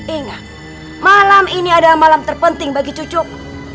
ingat malam ini adalah malam terpenting bagi cucuk